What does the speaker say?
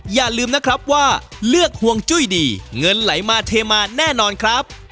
อย่าลืมนะครับว่าเลือกห่วงจุ้ยดีเงินไหลมาเทมาแน่นอนครับ